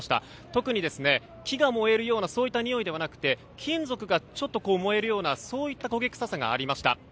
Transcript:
特に木が燃えるようなそういった匂いではなくて金属がちょっと燃えるようなそういった焦げ臭さがありました。